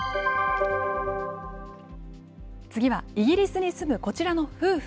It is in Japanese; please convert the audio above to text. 次はイギリスに住むこちらの夫婦。